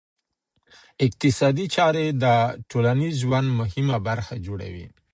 اقتصادي چاري د ټولنیز ژوند مهمه برخه جوړوي.